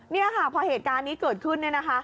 นี่ค่ะพอเหตุการณ์นี้เกิดขึ้น